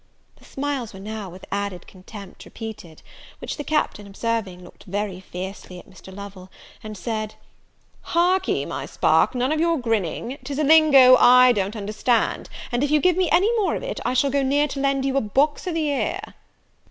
The smiles were now, with added contempt, repeated; which the Captain observing, looked very fiercely at Mr. Lovel, and said, "Hark'ee my spark, none of your grinning! 'tis a lingo I don't understand; and if you give me any more of it, I shall go near to lend you a box o' the ear."